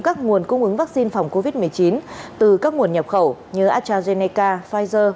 các nguồn cung ứng vaccine phòng covid một mươi chín từ các nguồn nhập khẩu như astrazeneca pfizer